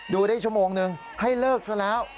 ดูได้ชั่วโมงนึงให้เลิกซะแล้ว